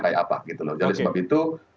kayak apa jadi sebab itu